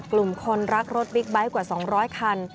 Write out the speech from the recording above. กลุ่มคนรักรถบิ๊กไบท์กว่า๒๐๐คัน